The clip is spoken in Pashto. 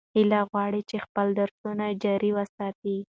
هیله غواړي چې خپل درسونه جاري وساتي.